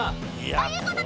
［ということで］